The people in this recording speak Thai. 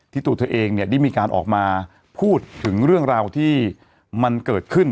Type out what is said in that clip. ตัวเธอเองเนี่ยได้มีการออกมาพูดถึงเรื่องราวที่มันเกิดขึ้น